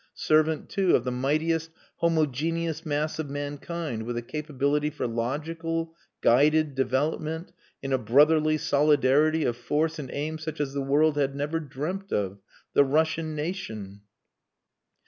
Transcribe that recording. Servant, too, of the mightiest homogeneous mass of mankind with a capability for logical, guided development in a brotherly solidarity of force and aim such as the world had never dreamt of... the Russian nation!